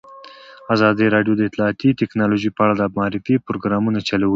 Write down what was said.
ازادي راډیو د اطلاعاتی تکنالوژي په اړه د معارفې پروګرامونه چلولي.